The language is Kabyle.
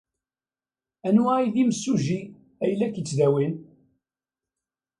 Anwa ay d imsujji ay la k-yettdawin?